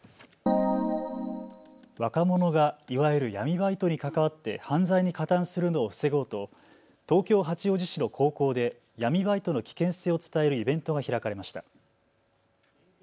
若者がいわゆる闇バイトに関わって犯罪に加担するのを防ごうと東京八王子市の高校で闇バイトの危険性を伝えるイベントが開かれました。